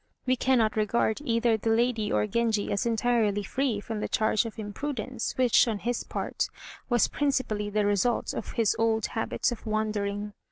We cannot regard either the lady or Genji as entirely free from the charge of imprudence, which, on his part, was principally the result of his old habits of wandering.